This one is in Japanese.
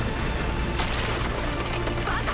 バカ！